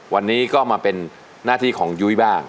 วันนี้ก็มาเป็นหน้าที่ของยุ้ยบ้าง